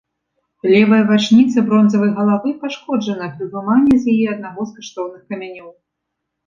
Левая вачніца бронзавай галавы пашкоджана пры выманні з яе аднаго з каштоўных камянёў.